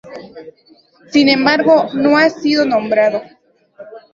Sin embargo, no ha sido nombrado.